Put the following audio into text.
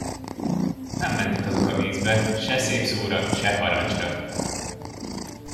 Nem mentek azok a vízbe, se szép szóra, se parancsra!